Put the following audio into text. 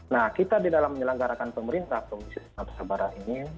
nah kita di dalam menyelenggarakan pemerintah provinsi sumatera barat ini